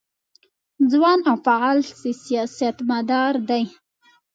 ځوان او فعال سیاستمدار دی.